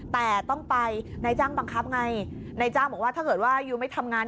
แต่ต้องไปนายจ้างบังคับไงนายจ้างบอกว่าถ้าเกิดว่ายูไม่ทำงาน